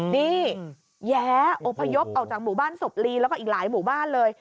นี่แย้อพยพออกจากหมู่บ้านศพลีแล้วก็อีกหลายหมู่บ้านเลย